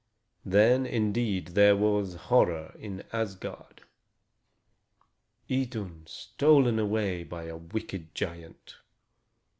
Then indeed there was horror in Asgard. Idun stolen away by a wicked giant!